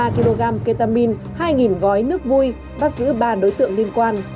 năm mươi ba kg ketamine hai gói nước vui bắt giữ ba đối tượng liên quan